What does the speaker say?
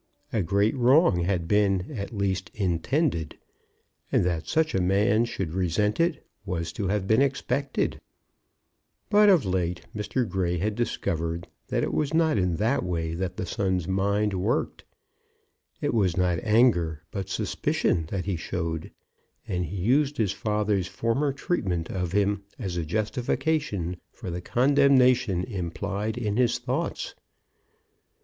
A great wrong had been, at least, intended; and that such a man should resent it was to have been expected. But of late Mr. Grey had discovered that it was not in that way that the son's mind worked. It was not anger but suspicion that he showed; and he used his father's former treatment of him as a justification for the condemnation implied in his thoughts.